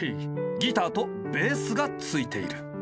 ギターとベースが付いている。